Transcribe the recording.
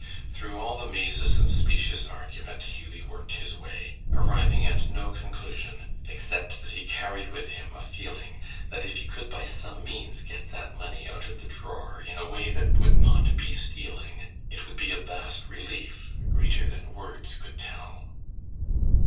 Through all the mazes of specious argument Hughie worked his way, arriving at no conclusion, except that he carried with him a feeling that if he could by some means get that money out of the drawer in a way that would not be stealing, it would be a vast relief, greater than words could tell.